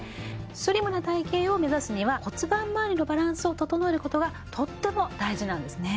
スリムな体形を目指すには骨盤まわりのバランスを整えることがとっても大事なんですね